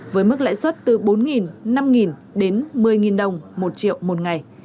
với mức lãi suất từ bốn năm đến một mươi đồng một triệu một ngày